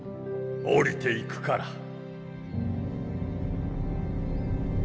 下りていくから。